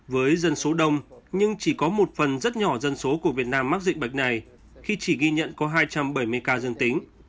với dân số đông nhưng chỉ có một phần rất nhỏ dân số của việt nam mắc dịch bệnh này khi chỉ ghi nhận có hai trăm bảy mươi ca dương tính